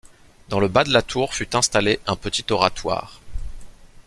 Dans le bas de la tour fut installé un petit oratoire.